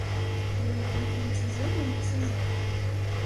Для якой ты на чужыне не чужы.